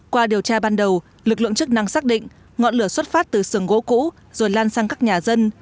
qua điều tra ban đầu lực lượng chức năng xác định ngọn lửa xuất phát từ sườn gỗ cũ rồi lan sang các nhà dân